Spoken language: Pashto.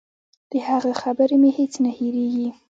د هغه خبرې مې هېڅ نه هېرېږي.